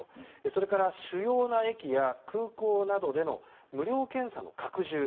それから主要な駅や空港などでの無料検査の拡充。